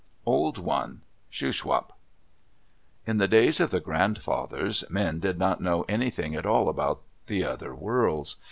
OLD ONE Shuswap In the days of the grandfathers men did not know anything at all about the other worlds.